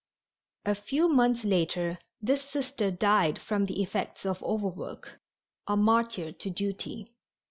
A few months later this Sister died from the effects of overwork a martyr to duty.